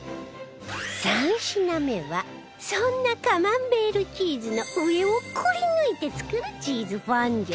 ３品目はそんなカマンベールチーズの上をくりぬいて作るチーズフォンデュ